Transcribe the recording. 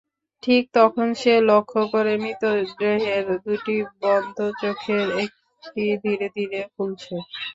ঠিক তখন সে লক্ষ করে, মৃতদেহের দুটি বন্ধ চোখের একটি ধীরে-বীরে খুলছে।